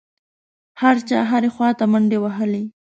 هر چا هرې خوا ته منډې وهلې.